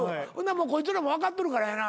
こいつらも分かっとるからやな